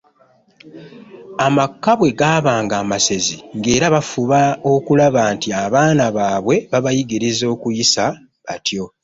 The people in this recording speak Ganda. Amaka bwe gaabanga amasezi ng’era bafuba okulaba nti abaana baabwe babayigiriza okuyisa batyo.